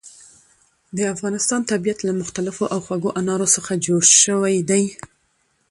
د افغانستان طبیعت له مختلفو او خوږو انارو څخه جوړ شوی دی.